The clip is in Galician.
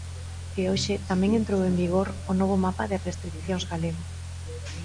E hoxe tamén entrou en vigor o novo mapa de restricións galego.